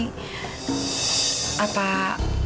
apa putri bapak ada pak